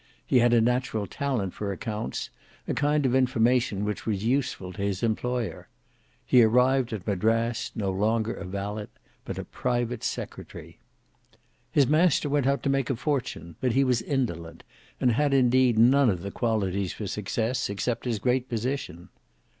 He had a natural talent for accounts; a kind of information which was useful to his employer. He arrived at Madras, no longer a valet, but a private secretary. His master went out to make a fortune; but he was indolent, and had indeed none of the qualities for success, except his great position.